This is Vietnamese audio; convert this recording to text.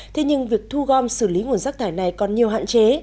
thế nhưng việc thu gom xử lý nguồn rác thải này còn nhiều hạn chế